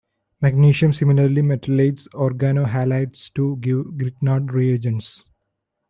Magnesium similarly metalates organohalides to give Grignard reagents.